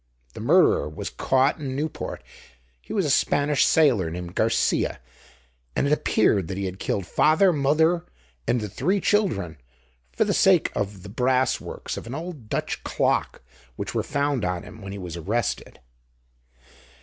The murderer was caught in Newport; he was a Spanish sailor, named Garcia, and it appeared that he had killed father, mother, and the three children for the sake of the brass works of an old Dutch clock, which were found on him when he was arrested.